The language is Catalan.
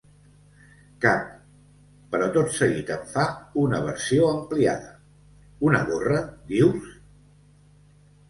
"Cap!" però tot seguit en fa una versió ampliada: "Una gorra, dius?"